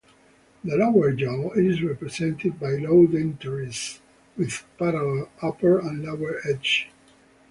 The lower jaw is represented by low dentaries with parallel upper and lower edges.